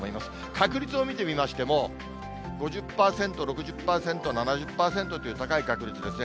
確率を見てみましても、５０％、６０％、７０％という高い確率ですね。